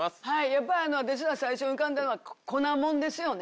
やっぱり最初浮かんだのは粉もんですよね。